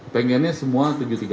pengennya semua tujuh tiga puluh